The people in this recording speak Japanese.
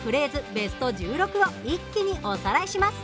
ベスト１６を一気におさらいします。